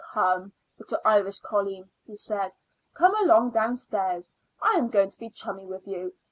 "Come, little Irish colleen," he said. "Come along downstairs. I am going to be chummy with you.